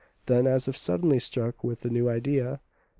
Then, as if suddenly struck with a new idea, M.